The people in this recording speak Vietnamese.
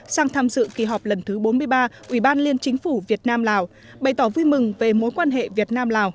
sang tham dự kỳ họp lần thứ bốn mươi ba ủy ban liên chính phủ việt nam lào bày tỏ vui mừng về mối quan hệ việt nam lào